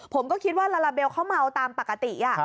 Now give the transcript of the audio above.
ผมก็คิดว่าลาลาเบลเขาเมาตามปกติ